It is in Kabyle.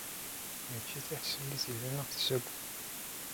Mačči tiḥeṣṣilt yellan ad ɣ-tessaged.